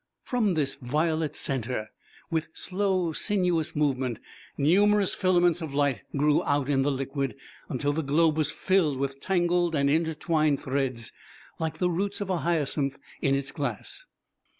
From this violet centre, with slow, sinuous movement, numerous filaments of light grew out in the liquid, until the globe was filled with tangled and intertwined threads like the roots of a hyacinth in its glass.